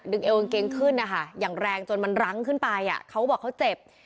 เอวกางเกงขึ้นนะคะอย่างแรงจนมันรั้งขึ้นไปเขาก็บอกเขาเจ็บ